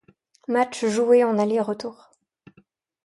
Matchs joués en aller et retour.